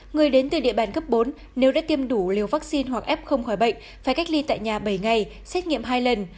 người đến từ địa bàn cấp bốn nếu đã tiêm đủ liều vaccine hoặc f không khỏi bệnh phải cách ly tại nhà bảy ngày xét nghiệm hai lần